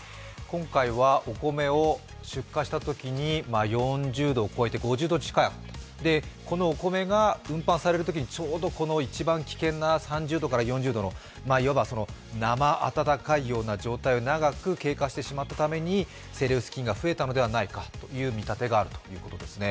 今回はお米を出荷したときに４０度を超えて５０度近い、このお米が運搬されるときにちょうど一番危険な３０度から４０度のいわばなま暖かいような状態を長く経過してしまったためにセレウス菌が増えたのではないかという見立てがあるということですね。